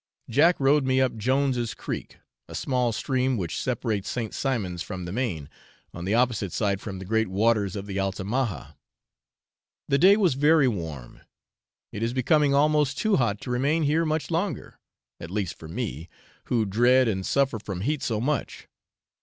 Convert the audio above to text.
Jack rowed me up Jones's Creek, a small stream which separates St. Simon's from the main, on the opposite side from the great waters of the Altamaha. The day was very warm. It is becoming almost too hot to remain here much longer, at least for me, who dread and suffer from heat so much.